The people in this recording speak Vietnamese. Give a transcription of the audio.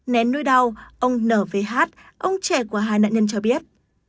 nén nuôi đau ông n v h ông trẻ của hai nạn nhân cho biết